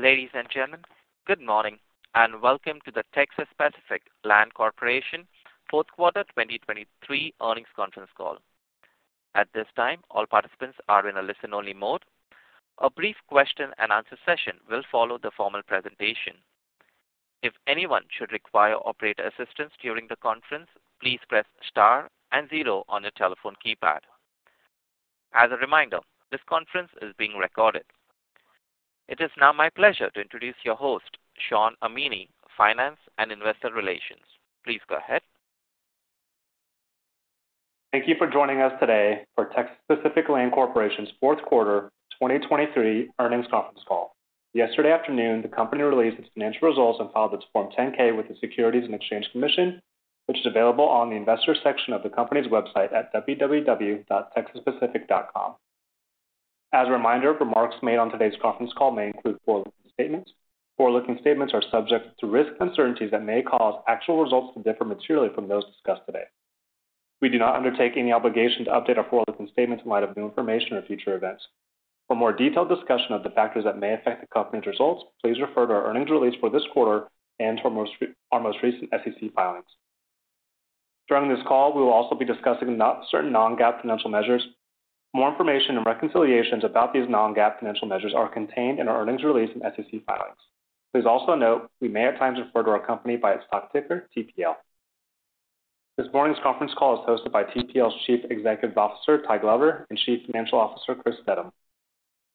Ladies and gentlemen, good morning and welcome to the Texas Pacific Land Corporation 4th Quarter 2023 earnings conference call. At this time, all participants are in a listen-only mode. A brief question-and-answer session will follow the formal presentation. If anyone should require operator assistance during the conference, please press star and zero on your telephone keypad. As a reminder, this conference is being recorded. It is now my pleasure to introduce your host, Shawn Amini, Finance and Investor Relations. Please go ahead. Thank you for joining us today for Texas Pacific Land Corporation's 4th Quarter 2023 earnings conference call. Yesterday afternoon, the company released its financial results and filed its Form 10-K with the Securities and Exchange Commission, which is available on the Investors section of the company's website at www.texaspacific.com. As a reminder, remarks made on today's conference call may include forward-looking statements. Forward-looking statements are subject to risk uncertainties that may cause actual results to differ materially from those discussed today. We do not undertake any obligation to update our forward-looking statements in light of new information or future events. For more detailed discussion of the factors that may affect the company's results, please refer to our earnings release for this quarter and to our most recent SEC filings. During this call, we will also be discussing certain non-GAAP financial measures. More information and reconciliations about these non-GAAP financial measures are contained in our earnings release and SEC filings. Please also note we may at times refer to our company by its stock ticker, TPL. This morning's conference call is hosted by TPL's Chief Executive Officer, Tyler Glover, and Chief Financial Officer, Chris Steddum.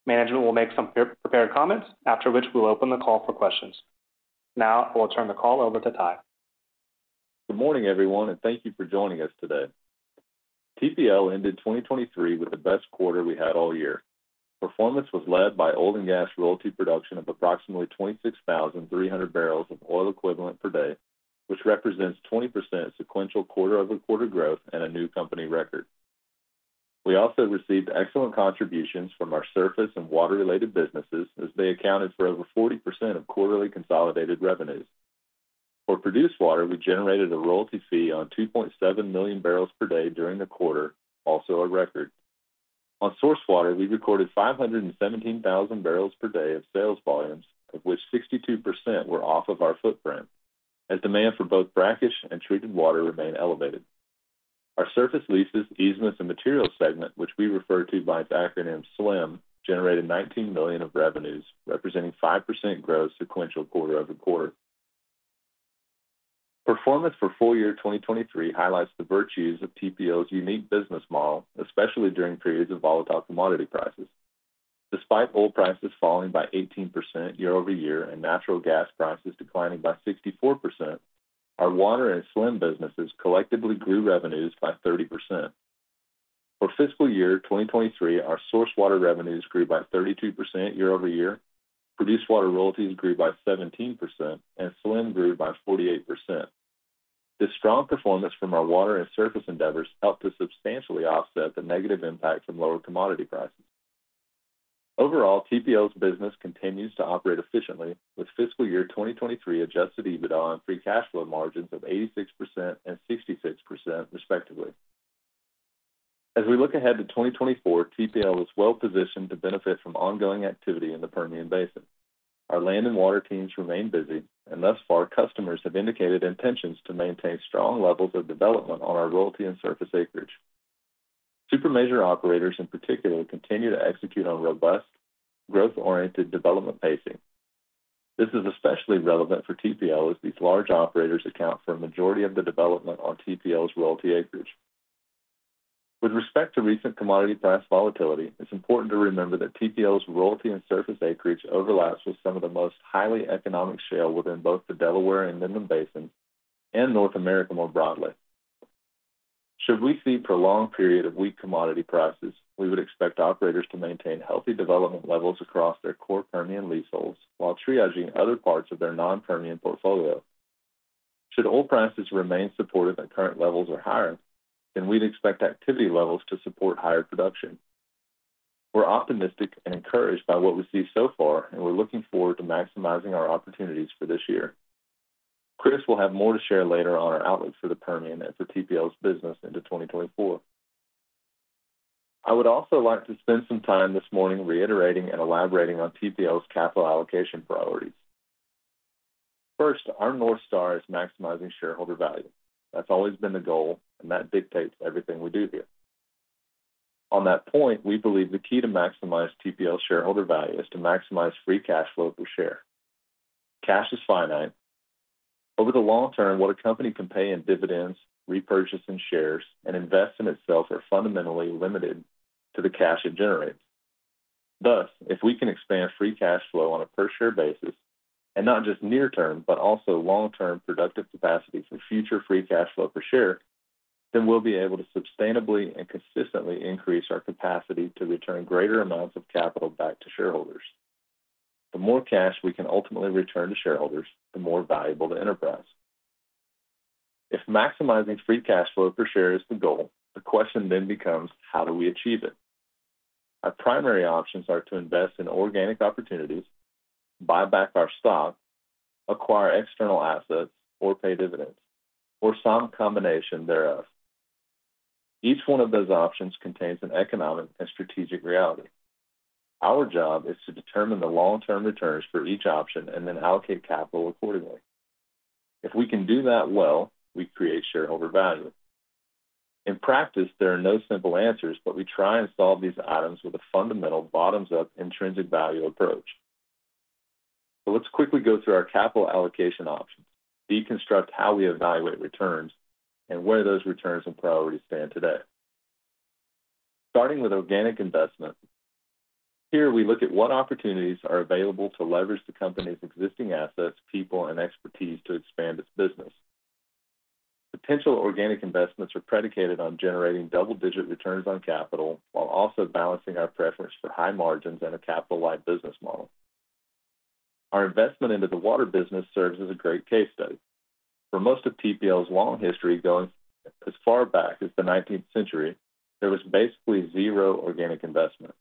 Management will make some prepared comments, after which we will open the call for questions. Now I will turn the call over to Ty. Good morning, everyone, and thank you for joining us today. TPL ended 2023 with the best quarter we had all year. Performance was led by oil and gas royalty production of approximately 26,300 bbl of oil equivalent per day, which represents 20% sequential quarter-over-quarter growth and a new company record. We also received excellent contributions from our surface and water-related businesses, as they accounted for over 40% of quarterly consolidated revenues. For produced water, we generated a royalty fee on 2.7 million bbl per day during the quarter, also a record. On source water, we recorded 517,000 bbl per day of sales volumes, of which 62% were off of our footprint, as demand for both brackish and treated water remained elevated. Our surface leases, easements, and materials segment, which we refer to by its acronym SLEM, generated $19 million of revenues, representing 5% growth sequential quarter-over-quarter. Performance for full year 2023 highlights the virtues of TPL's unique business model, especially during periods of volatile commodity prices. Despite oil prices falling by 18% year-over-year and natural gas prices declining by 64%, our water and SLEM businesses collectively grew revenues by 30%. For fiscal year 2023, our source water revenues grew by 32% year-over-year, produced water royalties grew by 17%, and SLEM grew by 48%. This strong performance from our water and surface endeavors helped to substantially offset the negative impact from lower commodity prices. Overall, TPL's business continues to operate efficiently, with fiscal year 2023 adjusted EBITDA and free cash flow margins of 86% and 66%, respectively. As we look ahead to 2024, TPL is well-positioned to benefit from ongoing activity in the Permian Basin. Our land and water teams remain busy, and thus far customers have indicated intentions to maintain strong levels of development on our royalty and surface acreage. Supermajor operators, in particular, continue to execute on robust, growth-oriented development pacing. This is especially relevant for TPL, as these large operators account for a majority of the development on TPL's royalty acreage. With respect to recent commodity price volatility, it's important to remember that TPL's royalty and surface acreage overlaps with some of the most highly economic shale within both the Delaware and Midland Basins and North America more broadly. Should we see a prolonged period of weak commodity prices, we would expect operators to maintain healthy development levels across their core Permian leaseholds while triaging other parts of their non-Permian portfolio. Should oil prices remain supportive and current levels are higher, then we'd expect activity levels to support higher production. We're optimistic and encouraged by what we see so far, and we're looking forward to maximizing our opportunities for this year. Chris will have more to share later on our outlook for the Permian and for TPL's business into 2024. I would also like to spend some time this morning reiterating and elaborating on TPL's capital allocation priorities. First, our North Star is maximizing shareholder value. That's always been the goal, and that dictates everything we do here. On that point, we believe the key to maximizing TPL's shareholder value is to maximize Free Cash Flow per share. Cash is finite. Over the long term, what a company can pay in dividends, repurchase in shares, and invest in itself are fundamentally limited to the cash it generates. Thus, if we can expand free cash flow on a per-share basis and not just near-term but also long-term productive capacity for future free cash flow per share, then we'll be able to sustainably and consistently increase our capacity to return greater amounts of capital back to shareholders. The more cash we can ultimately return to shareholders, the more valuable the enterprise. If maximizing free cash flow per share is the goal, the question then becomes, how do we achieve it? Our primary options are to invest in organic opportunities, buy back our stock, acquire external assets, or pay dividends, or some combination thereof. Each one of those options contains an economic and strategic reality. Our job is to determine the long-term returns for each option and then allocate capital accordingly. If we can do that well, we create shareholder value. In practice, there are no simple answers, but we try and solve these items with a fundamental bottoms-up intrinsic value approach. So let's quickly go through our capital allocation options, deconstruct how we evaluate returns, and where those returns and priorities stand today. Starting with organic investment, here we look at what opportunities are available to leverage the company's existing assets, people, and expertise to expand its business. Potential organic investments are predicated on generating double-digit returns on capital while also balancing our preference for high margins and a capital-light business model. Our investment into the water business serves as a great case study. For most of TPL's long history, going as far back as the 19th century, there was basically zero organic investment.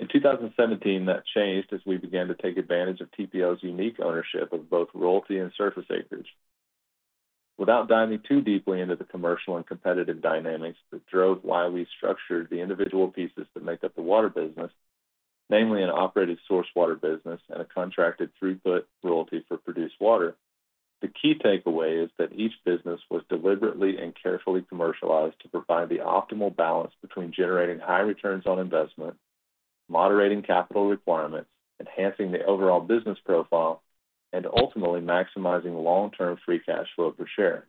In 2017, that changed as we began to take advantage of TPL's unique ownership of both royalty and surface acreage. Without diving too deeply into the commercial and competitive dynamics that drove why we structured the individual pieces that make up the water business, namely an operated source water business and a contracted 1/32 or 1/16th royalty for produced water, the key takeaway is that each business was deliberately and carefully commercialized to provide the optimal balance between generating high returns on investment, moderating capital requirements, enhancing the overall business profile, and ultimately maximizing long-term free cash flow per share.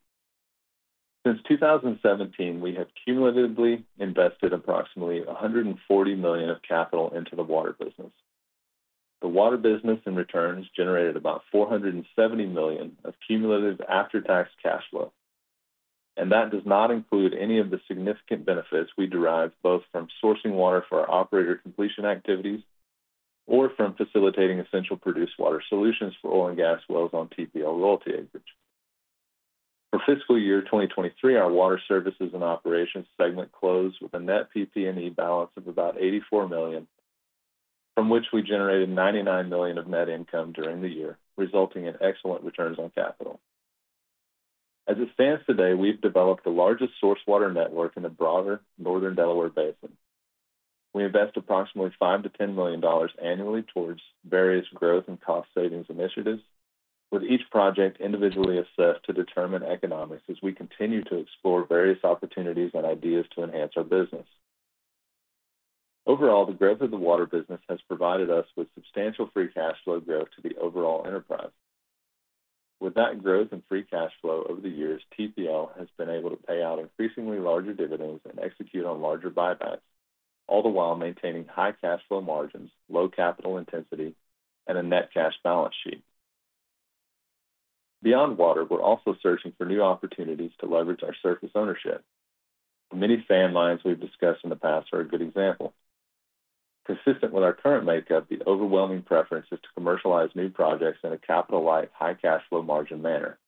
Since 2017, we have cumulatively invested approximately $140 million of capital into the water business. The water business in returns generated about $470 million of cumulative after-tax cash flow, and that does not include any of the significant benefits we derive both from sourcing water for our operator completion activities or from facilitating essential produced water solutions for oil and gas wells on TPL royalty acreage. For fiscal year 2023, our water services and operations segment closed with a net PP&E balance of about $84 million, from which we generated $99 million of net income during the year, resulting in excellent returns on capital. As it stands today, we've developed the largest source water network in the broader Northern Delaware Basin. We invest approximately $5 million-$10 million annually towards various growth and cost savings initiatives, with each project individually assessed to determine economics as we continue to explore various opportunities and ideas to enhance our business. Overall, the growth of the water business has provided us with substantial free cash flow growth to the overall enterprise. With that growth in Free Cash Flow over the years, TPL has been able to pay out increasingly larger dividends and execute on larger buybacks, all the while maintaining high cash flow margins, low capital intensity, and a net cash balance sheet. Beyond water, we're also searching for new opportunities to leverage our surface ownership. The many sand mines we've discussed in the past are a good example. Consistent with our current makeup, the overwhelming preference is to commercialize new projects in a capital-light, high cash flow margin manner.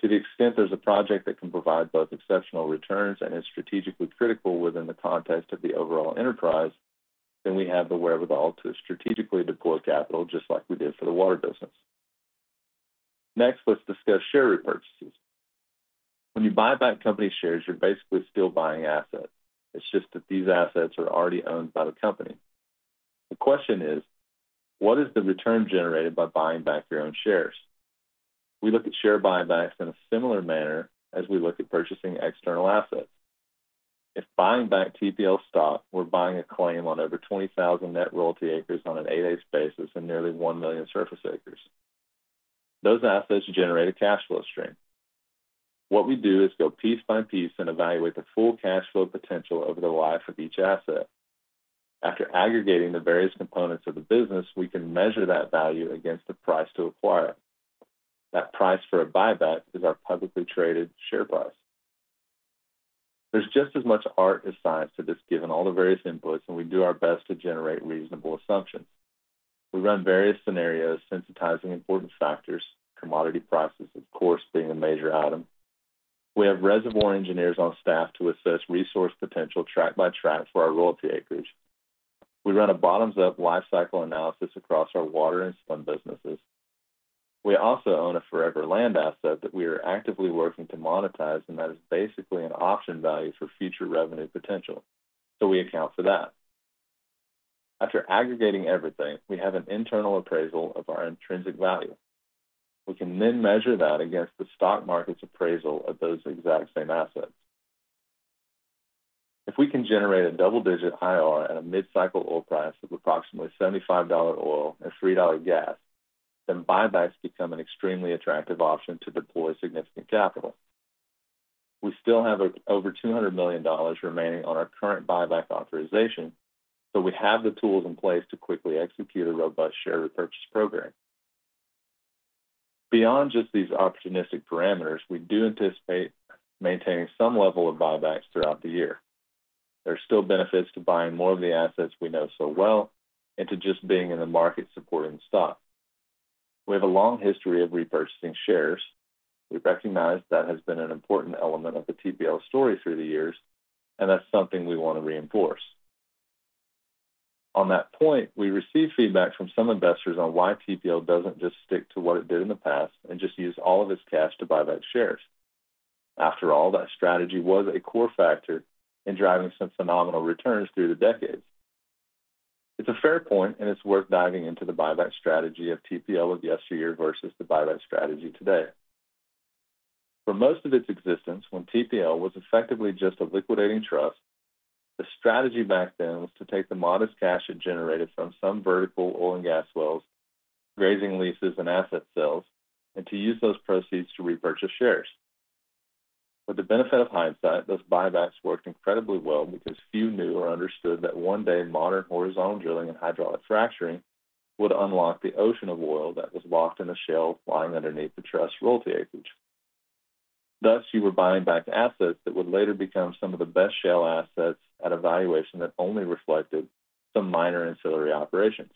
To the extent there's a project that can provide both exceptional returns and is strategically critical within the context of the overall enterprise, then we have the wherewithal to strategically deploy capital just like we did for the water business. Next, let's discuss share repurchases. When you buy back company shares, you're basically still buying assets. It's just that these assets are already owned by the company. The question is, what is the return generated by buying back your own shares? We look at share buybacks in a similar manner as we look at purchasing external assets. If buying back TPL stock, we're buying a claim on over 20,000 net royalty acres on an 1/8th basis and nearly one million surface acres. Those assets generate a cash flow stream. What we do is go piece by piece and evaluate the full cash flow potential over the life of each asset. After aggregating the various components of the business, we can measure that value against the price to acquire it. That price for a buyback is our publicly traded share price. There's just as much art as science to this, given all the various inputs, and we do our best to generate reasonable assumptions. We run various scenarios, sensitizing important factors, commodity prices, of course, being a major item. We have reservoir engineers on staff to assess resource potential track by tract for our royalty acreage. We run a bottoms-up lifecycle analysis across our water and SLEM businesses. We also own a forever land asset that we are actively working to monetize, and that is basically an option value for future revenue potential, so we account for that. After aggregating everything, we have an internal appraisal of our intrinsic value. We can then measure that against the stock market's appraisal of those exact same assets. If we can generate a double-digit IRR and a mid-cycle oil price of approximately $75 oil and $3 gas, then buybacks become an extremely attractive option to deploy significant capital. We still have over $200 million remaining on our current buyback authorization, so we have the tools in place to quickly execute a robust share repurchase program. Beyond just these opportunistic parameters, we do anticipate maintaining some level of buybacks throughout the year. There are still benefits to buying more of the assets we know so well and to just being in the market supporting the stock. We have a long history of repurchasing shares. We recognize that has been an important element of the TPL story through the years, and that's something we want to reinforce. On that point, we received feedback from some investors on why TPL doesn't just stick to what it did in the past and just use all of its cash to buy back shares. After all, that strategy was a core factor in driving some phenomenal returns through the decades. It's a fair point, and it's worth diving into the buyback strategy of TPL of yesteryear versus the buyback strategy today. For most of its existence, when TPL was effectively just a liquidating trust, the strategy back then was to take the modest cash it generated from some vertical oil and gas wells, grazing leases, and asset sales, and to use those proceeds to repurchase shares. With the benefit of hindsight, those buybacks worked incredibly well because few knew or understood that one day modern horizontal drilling and hydraulic fracturing would unlock the ocean of oil that was locked in the shale lying underneath the trust's royalty acreage. Thus, you were buying back assets that would later become some of the best shale assets at a valuation that only reflected some minor ancillary operations.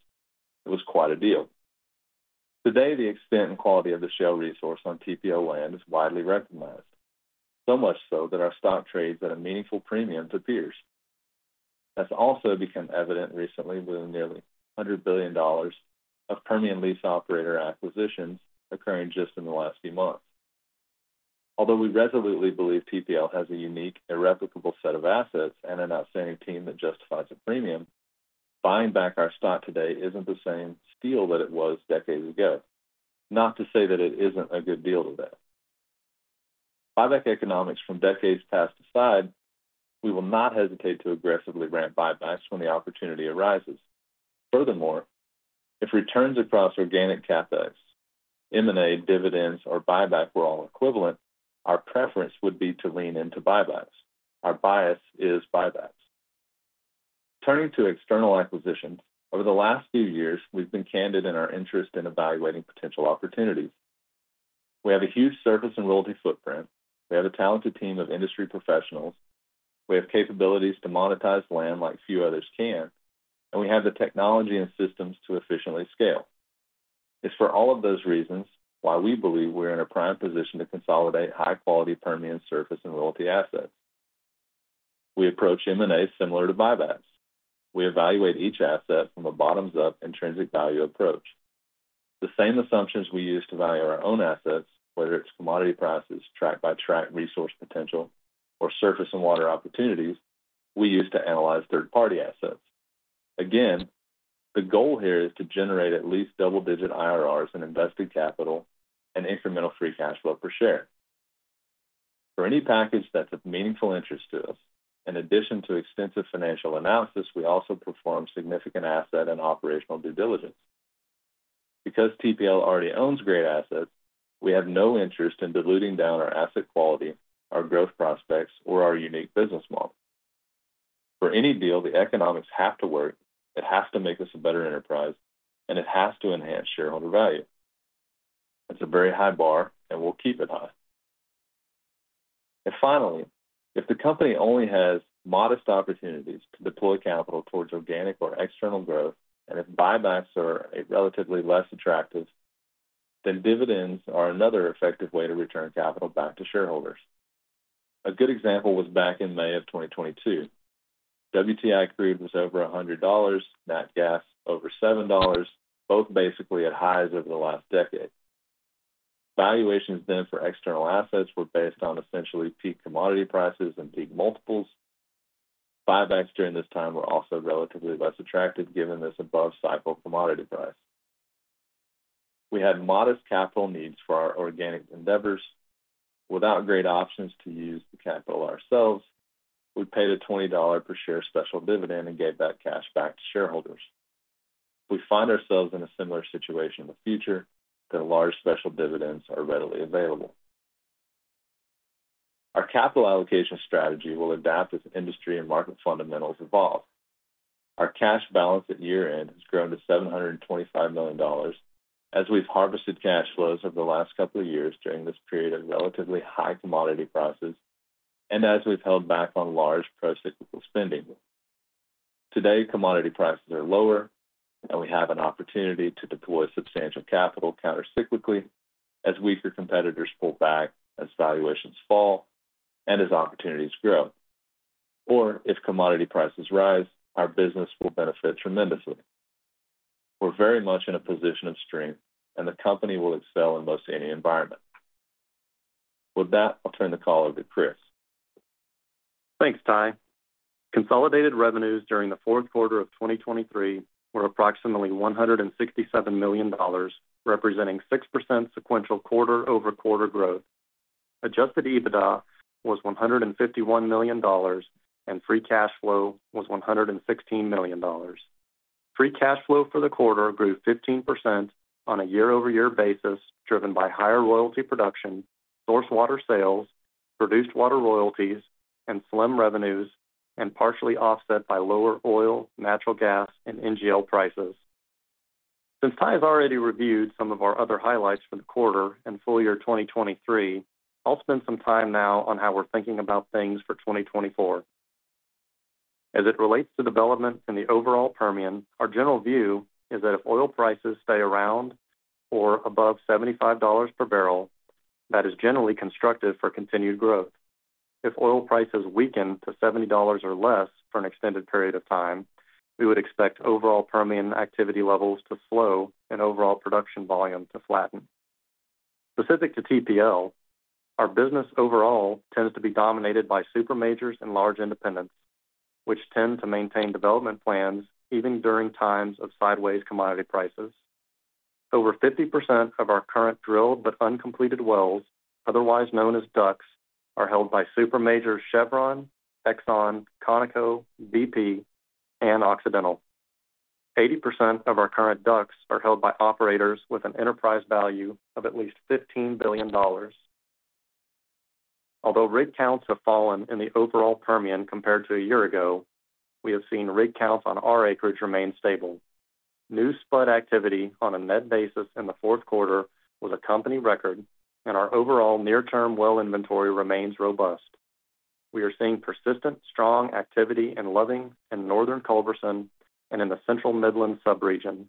It was quite a deal. Today, the extent and quality of the shale resource on TPL land is widely recognized, so much so that our stock trades at a meaningful premium to peers. That's also become evident recently with nearly $100 billion of Permian lease operator acquisitions occurring just in the last few months. Although we resolutely believe TPL has a unique, irreplicable set of assets and an outstanding team that justifies a premium, buying back our stock today isn't the same steal that it was decades ago, not to say that it isn't a good deal today. Buyback economics from decades past aside, we will not hesitate to aggressively ramp buybacks when the opportunity arises. Furthermore, if returns across organic CapEx, M&A, dividends, or buyback were all equivalent, our preference would be to lean into buybacks. Our bias is buybacks. Turning to external acquisitions, over the last few years, we've been candid in our interest in evaluating potential opportunities. We have a huge surface and royalty footprint. We have a talented team of industry professionals. We have capabilities to monetize land like few others can, and we have the technology and systems to efficiently scale. It's for all of those reasons why we believe we're in a prime position to consolidate high-quality Permian surface and royalty assets. We approach M&A similar to buybacks. We evaluate each asset from a bottoms-up intrinsic value approach. The same assumptions we use to value our own assets, whether it's commodity prices, tract by tract resource potential, or surface and water opportunities, we use to analyze third-party assets. Again, the goal here is to generate at least double-digit IRRs in invested capital and incremental free cash flow per share. For any package that's of meaningful interest to us, in addition to extensive financial analysis, we also perform significant asset and operational due diligence. Because TPL already owns great assets, we have no interest in diluting down our asset quality, our growth prospects, or our unique business model. For any deal, the economics have to work. It has to make us a better enterprise, and it has to enhance shareholder value. It's a very high bar, and we'll keep it high. And finally, if the company only has modest opportunities to deploy capital towards organic or external growth, and if buybacks are relatively less attractive, then dividends are another effective way to return capital back to shareholders. A good example was back in May of 2022. WTI crude was over $100, nat gas over $7, both basically at highs over the last decade. Valuations then for external assets were based on essentially peak commodity prices and peak multiples. Buybacks during this time were also relatively less attractive, given this above-cycle commodity price. We had modest capital needs for our organic endeavors. Without great options to use the capital ourselves, we paid a $20 per share special dividend and gave that cash back to shareholders. If we find ourselves in a similar situation in the future, then large special dividends are readily available. Our capital allocation strategy will adapt as industry and market fundamentals evolve. Our cash balance at year-end has grown to $725 million as we've harvested cash flows over the last couple of years during this period of relatively high commodity prices and as we've held back on large procyclical spending. Today, commodity prices are lower, and we have an opportunity to deploy substantial capital countercyclically as weaker competitors pull back, as valuations fall, and as opportunities grow. Or if commodity prices rise, our business will benefit tremendously. We're very much in a position of strength, and the company will excel in most any environment. With that, I'll turn the call over to Chris. Thanks, Tyler. Consolidated revenues during the fourth quarter of 2023 were approximately $167 million, representing 6% sequential quarter-over-quarter growth. Adjusted EBITDA was $151 million, and free cash flow was $116 million. Free cash flow for the quarter grew 15% on a year-over-year basis driven by higher royalty production, source water sales, produced water royalties, and SLEM revenues, and partially offset by lower oil, natural gas, and NGL prices. Since Tyler has already reviewed some of our other highlights for the quarter and full year 2023, I'll spend some time now on how we're thinking about things for 2024. As it relates to development in the overall Permian, our general view is that if oil prices stay around or above $75 per barrel, that is generally constructive for continued growth. If oil prices weaken to $70 or less for an extended period of time, we would expect overall Permian activity levels to slow and overall production volume to flatten. Specific to TPL, our business overall tends to be dominated by supermajors and large independents, which tend to maintain development plans even during times of sideways commodity prices. Over 50% of our current drilled but uncompleted wells, otherwise known as DUCs, are held by supermajors Chevron, Exxon, Conoco, BP, and Occidental. 80% of our current DUCs are held by operators with an enterprise value of at least $15 billion. Although rig counts have fallen in the overall Permian compared to a year ago, we have seen rig counts on our acreage remain stable. New spud activity on a net basis in the fourth quarter was a company record, and our overall near-term well inventory remains robust. We are seeing persistent, strong activity in Loving and Northern Culberson and in the Central Midland subregion.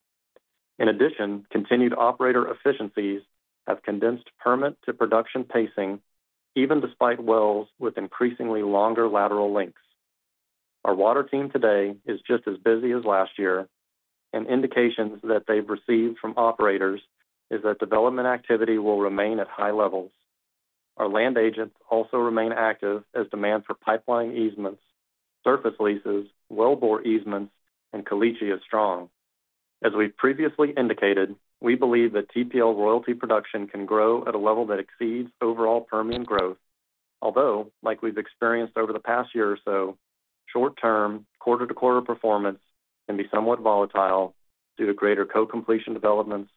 In addition, continued operator efficiencies have condensed permit-to-production pacing, even despite wells with increasingly longer lateral lengths. Our water team today is just as busy as last year, and indications that they've received from operators are that development activity will remain at high levels. Our land agents also remain active as demand for pipeline easements, surface leases, wellbore easements, and caliche strong. As we've previously indicated, we believe that TPL royalty production can grow at a level that exceeds overall Permian growth, although, like we've experienced over the past year or so, short-term quarter-to-quarter performance can be somewhat volatile due to greater co-completion developments,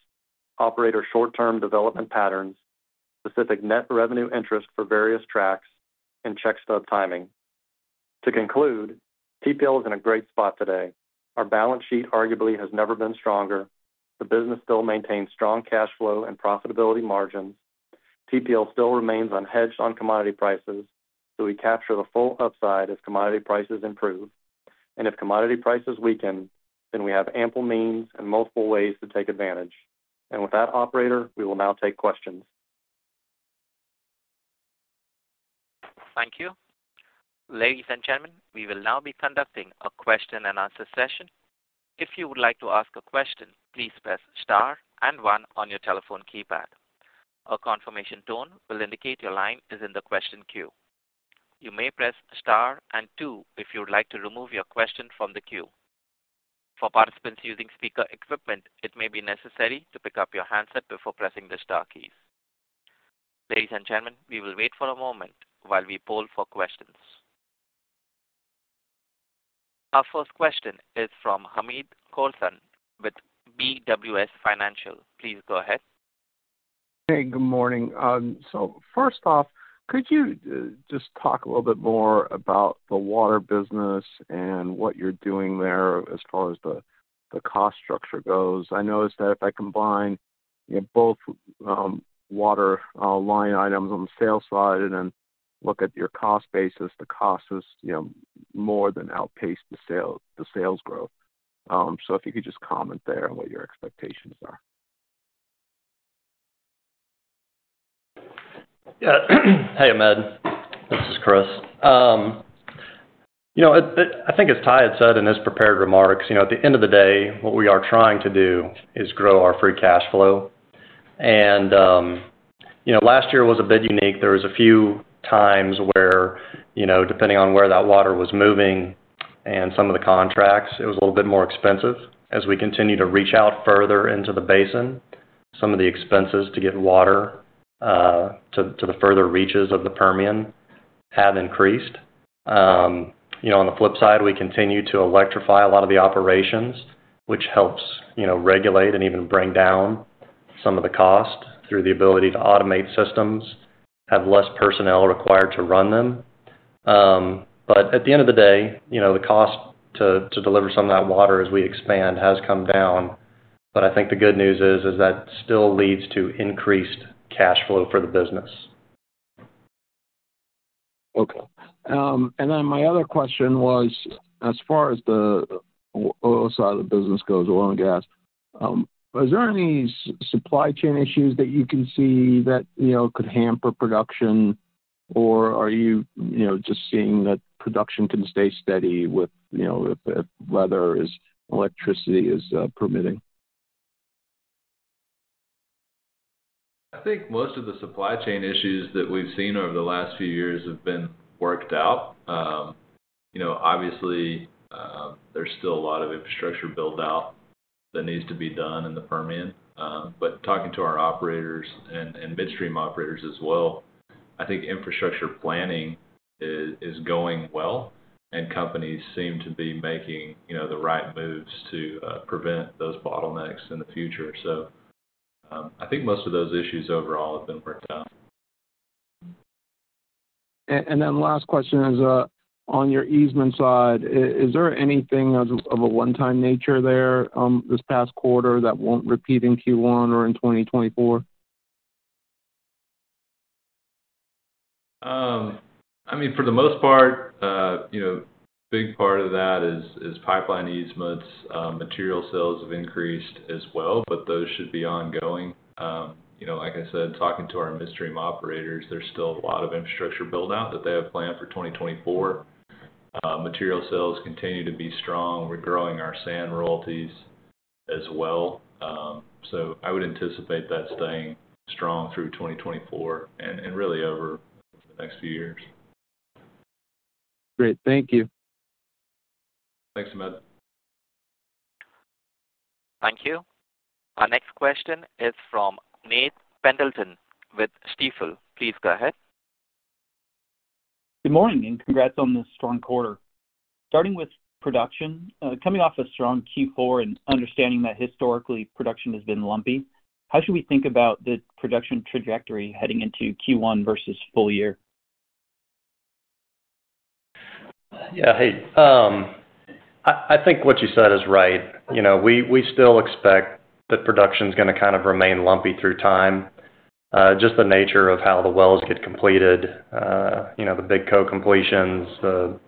operator short-term development patterns, specific net revenue interest for various tracts, and check stub timing. To conclude, TPL is in a great spot today. Our balance sheet arguably has never been stronger. The business still maintains strong cash flow and profitability margins. TPL still remains unhedged on commodity prices, so we capture the full upside as commodity prices improve. If commodity prices weaken, then we have ample means and multiple ways to take advantage. With that, operator, we will now take questions. Thank you. Ladies and gentlemen, we will now be conducting a question-and-answer session. If you would like to ask a question, please press star and one on your telephone keypad. A confirmation tone will indicate your line is in the question queue. You may press star and two if you would like to remove your question from the queue. For participants using speaker equipment, it may be necessary to pick up your handset before pressing the * keys. Ladies and gentlemen, we will wait for a moment while we poll for questions. Our first question is from Hamed Khorsand with BWS Financial. Please go ahead. Hey, good morning. So first off, could you just talk a little bit more about the water business and what you're doing there as far as the cost structure goes? I noticed that if I combine both water line items on the sales side and then look at your cost basis, the cost is more than outpaced the sales growth. So if you could just comment there on what your expectations are? Yeah. Hey, Hamed. This is Chris. I think, as Tyler had said in his prepared remarks, at the end of the day, what we are trying to do is grow our free cash flow. Last year was a bit unique. There was a few times where, depending on where that water was moving and some of the contracts, it was a little bit more expensive. As we continue to reach out further into the basin, some of the expenses to get water to the further reaches of the Permian have increased. On the flip side, we continue to electrify a lot of the operations, which helps regulate and even bring down some of the cost through the ability to automate systems, have less personnel required to run them. But at the end of the day, the cost to deliver some of that water as we expand has come down. I think the good news is that still leads to increased cash flow for the business. Okay. And then my other question was, as far as the oil side of the business goes, oil and gas, are there any supply chain issues that you can see that could hamper production, or are you just seeing that production can stay steady if weather is electricity is permitting? I think most of the supply chain issues that we've seen over the last few years have been worked out. Obviously, there's still a lot of infrastructure build-out that needs to be done in the Permian. But talking to our operators and midstream operators as well, I think infrastructure planning is going well, and companies seem to be making the right moves to prevent those bottlenecks in the future. So I think most of those issues overall have been worked out. And then last question is, on your easement side, is there anything of a one-time nature there this past quarter that won't repeat in Q1 or in 2024? I mean, for the most part, a big part of that is pipeline easements. Material sales have increased as well, but those should be ongoing. Like I said, talking to our midstream operators, there's still a lot of infrastructure build-out that they have planned for 2024. Material sales continue to be strong. We're growing our sand royalties as well. So I would anticipate that staying strong through 2024 and really over the next few years. Great. Thank you. Thanks, Hamed. Thank you. Our next question is from Nate Pendleton with Stifel. Please go ahead. Good morning and congrats on this strong quarter. Starting with production, coming off a strong Q4 and understanding that historically, production has been lumpy, how should we think about the production trajectory heading into Q1 versus full year? Yeah. Hey, I think what you said is right. We still expect that production's going to kind of remain lumpy through time. Just the nature of how the wells get completed, the big co-completions, the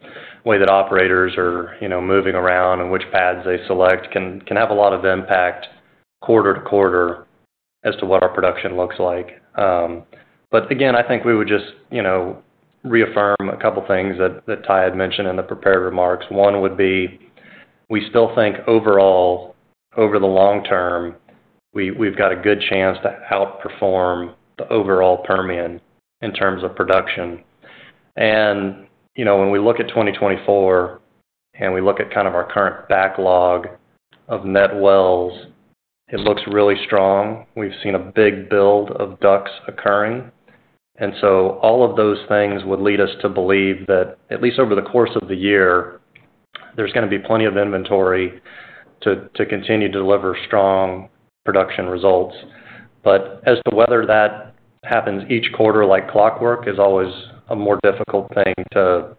way that operators are moving around, and which pads they select can have a lot of impact quarter to quarter as to what our production looks like. But again, I think we would just reaffirm a couple of things that Tyler had mentioned in the prepared remarks. One would be, we still think overall, over the long term, we've got a good chance to outperform the overall Permian in terms of production. And when we look at 2024 and we look at kind of our current backlog of net wells, it looks really strong. We've seen a big build of DUCs occurring. And so all of those things would lead us to believe that, at least over the course of the year, there's going to be plenty of inventory to continue to deliver strong production results. But as to whether that happens each quarter like clockwork is always a more difficult thing to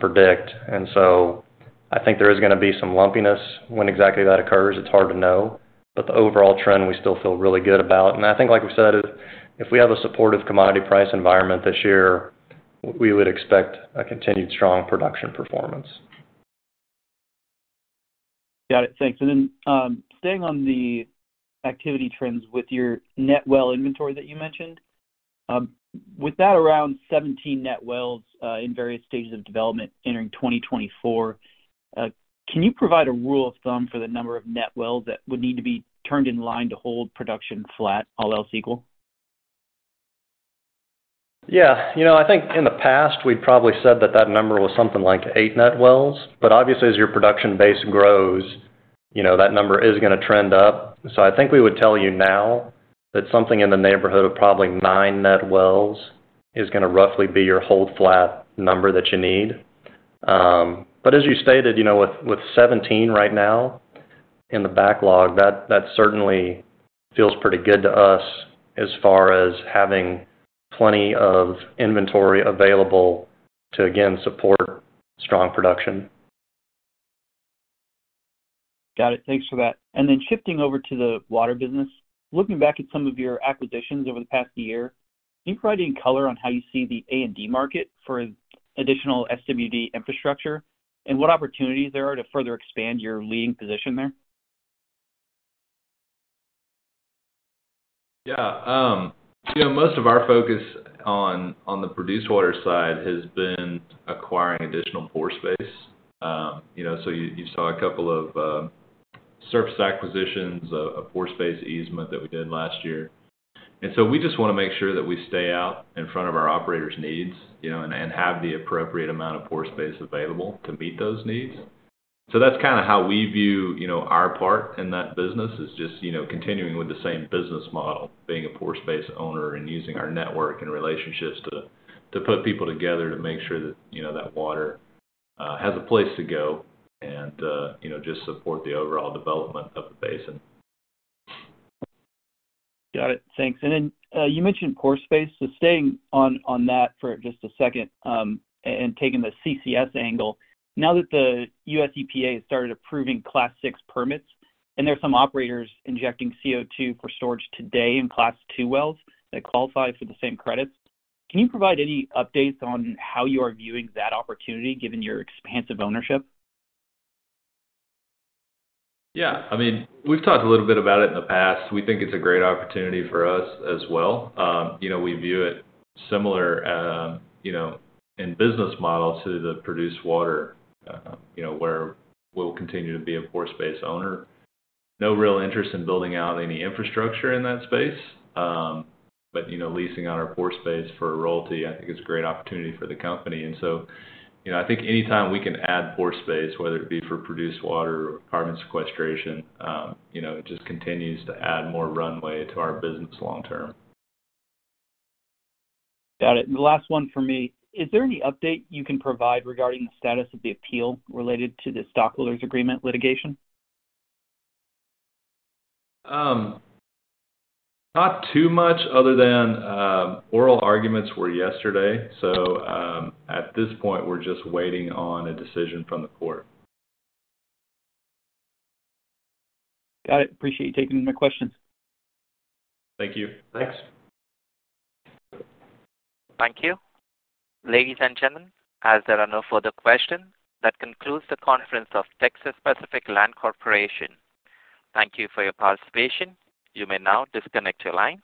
predict. And so I think there is going to be some lumpiness. When exactly that occurs, it's hard to know. But the overall trend, we still feel really good about. And I think, like we said, if we have a supportive commodity price environment this year, we would expect a continued strong production performance. Got it. Thanks. And then staying on the activity trends with your net well inventory that you mentioned, with that around 17 net wells in various stages of development entering 2024, can you provide a rule of thumb for the number of net wells that would need to be turned in line to hold production flat, all else equal? Yeah. I think in the past, we'd probably said that that number was something like 8 net wells. But obviously, as your production base grows, that number is going to trend up. So I think we would tell you now that something in the neighborhood of probably 9 net wells is going to roughly be your hold-flat number that you need. But as you stated, with 17 right now in the backlog, that certainly feels pretty good to us as far as having plenty of inventory available to, again, support strong production. Got it. Thanks for that. And then shifting over to the water business, looking back at some of your acquisitions over the past year, can you provide any color on how you see the A&D market for additional SWD infrastructure and what opportunities there are to further expand your leading position there? Yeah. Most of our focus on the produced water side has been acquiring additional pore space. So you saw a couple of surface acquisitions, a pore space easement that we did last year. And so we just want to make sure that we stay out in front of our operator's needs and have the appropriate amount of pore space available to meet those needs. So that's kind of how we view our part in that business, is just continuing with the same business model, being a pore space owner and using our network and relationships to put people together to make sure that water has a place to go and just support the overall development of the basin. Got it. Thanks. And then you mentioned pore space. So staying on that for just a second and taking the CCS angle, now that the U.S. EPA has started approving Class VI permits, and there are some operators injecting CO2 for storage today in Class II wells that qualify for the same credits, can you provide any updates on how you are viewing that opportunity given your expansive ownership? Yeah. I mean, we've talked a little bit about it in the past. We think it's a great opportunity for us as well. We view it similar in business model to the produced water, where we'll continue to be a pore space owner. No real interest in building out any infrastructure in that space. But leasing on our pore space for a royalty, I think, is a great opportunity for the company. And so I think anytime we can add pore space, whether it be for produced water or carbon sequestration, it just continues to add more runway to our business long term. Got it. And the last one for me, is there any update you can provide regarding the status of the appeal related to the stockholders' agreement litigation? Not too much other than oral arguments were yesterday. So at this point, we're just waiting on a decision from the court. Got it. Appreciate you taking my questions. Thank you. Thanks. Thank you. Ladies and gentlemen, as there are no further questions, that concludes the conference of Texas Pacific Land Corporation. Thank you for your participation. You may now disconnect your lines.